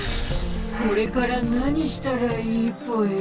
これから何したらいいぽよ？